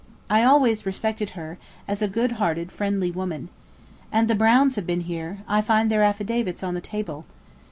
I always respected her, as a good hearted friendly woman. And the Browns have been here; I find their affidavits on the table.